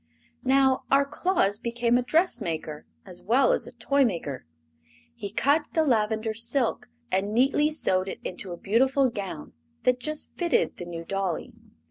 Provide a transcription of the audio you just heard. Now our Claus became a dressmaker as well as a toymaker. He cut the lavender silk, and neaty sewed it into a beautiful gown that just fitted the new dolly.